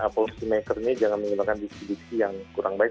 postmaker ini jangan menggunakan distribusi yang kurang baik